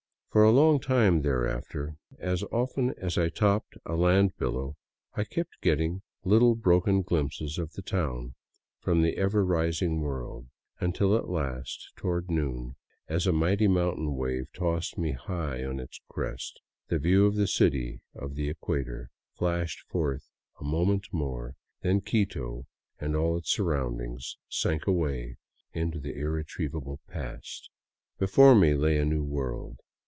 For a long time thereafter, as often as I topped a land billow, I kept getting little broken glimpses of the town from the ever rising world, until at last, toward noon, as a mighty mountain wave tossed me high on its crest, the view of the city of the equator flashed forth a moment more ; then Quito and all its surroundings sank away into the irretrievable past. Before me lay a new world.